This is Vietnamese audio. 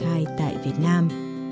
sự án tại việt nam